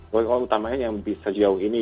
kalo kalo utamanya yang bisa jauh ini